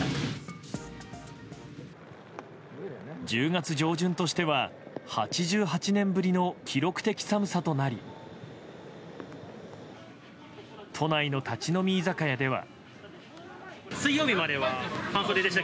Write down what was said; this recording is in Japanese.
１０月上旬としては８８年ぶりの記録的寒さとなり都内の立ち飲み居酒屋では。